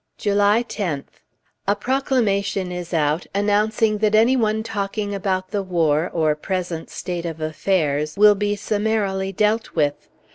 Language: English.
July 10th. A proclamation is out announcing that any one talking about the war, or present state of affairs, will be "summarily" dealt with.